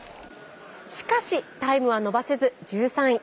しかしタイムは伸ばせず１３位。